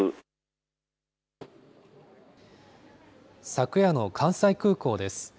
昨夜の関西空港です。